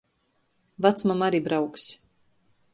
Vacmama ari brauks...